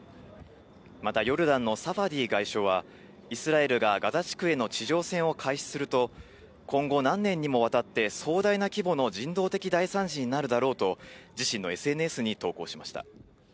またヨルダンの外相はイスラエルがガザ地区への地上戦を開始すると今後、何年にもわたって壮大な規模の人道的大惨事になるだろうと、自身のＳＮＳに投稿しました。